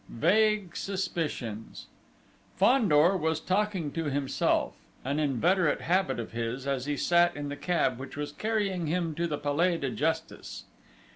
XV VAGUE SUSPICIONS Fandor was talking to himself an inveterate habit of his as he sat in the cab which was carrying him to the Palais de Justice.